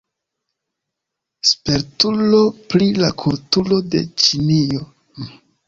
Spertulo pri la kulturo de Ĉinio.